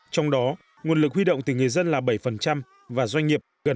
trong đó nguồn lực huy động từ người dân là bảy và doanh nghiệp gần